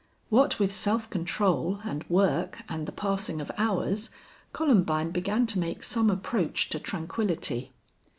What with self control and work and the passing of hours, Columbine began to make some approach to tranquillity.